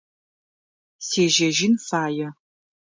Сежьэжьын фае.